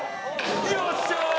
よっしゃー！